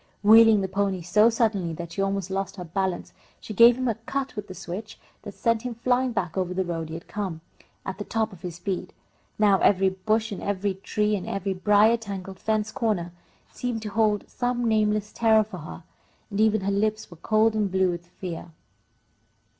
Wheeling the pony so suddenly that she almost lost her balance, she gave him a cut with the switch that sent him flying back over the road he had come, at the top of his speed. Now every bush and every tree and every brier tangled fence corner seemed to hold some nameless terror for her, and even her lips were cold and blue with fear.